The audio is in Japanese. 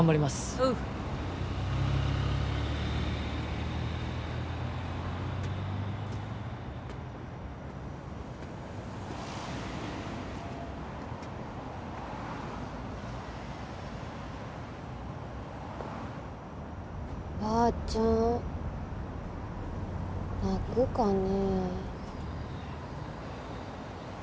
おうばーちゃん泣くかね